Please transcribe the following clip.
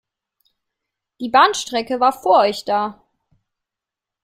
Die Bahnstrecke war vor euch da.